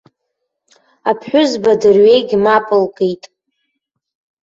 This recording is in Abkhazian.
Аԥҳәызба дырҩегь мап лкит.